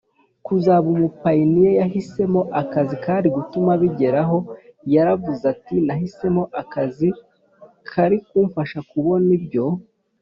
kuzaba umupayiniya yahisemo akazi kari gutuma abigeraho Yaravuze ati nahisemo akazi kari kumfasha kubona ibyo